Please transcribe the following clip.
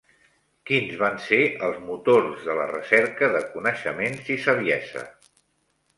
Quins van ser els motors de la recerca de coneixements i saviesa?